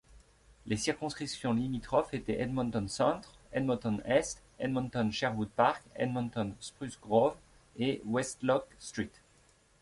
Les circonscriptions limitrophes étaient Edmonton-Centre, Edmonton-Est, Edmonton—Sherwood Park, Edmonton—Spruce Grove et Westlock—St.